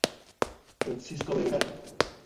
Francisco Belgrano.